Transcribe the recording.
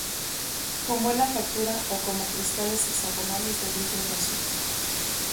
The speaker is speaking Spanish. Con buena fractura, o como cristales hexagonales de brillo graso.